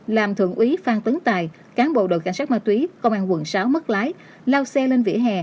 làm thượng úy phan tấn tài cán bộ đội cảnh sát ma túy công an quận sáu mất lái lao xe lên vỉa hè